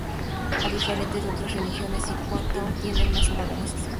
A diferencia de otras religiones, I-Kuan Tao no tiene una sola organización.